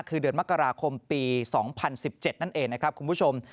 คือเดือนมกราคมปี๒๐๑๗นั่นเองนะครับคุณผู้ชม